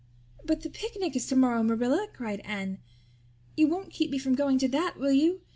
"But the picnic is tomorrow, Marilla," cried Anne. "You won't keep me from going to that, will you?